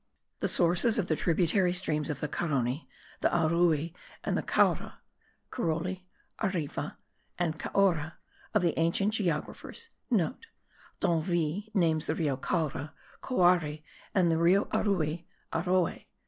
The sources of the tributary streams of the Carony, the Arui, and the Caura (Caroli, Arvi, and Caora,* of the ancient geographers (* D'Anville names the Rio Caura, Coari; and the Rio Arui, Aroay.